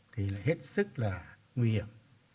thì lại hết sức là nguy hiểm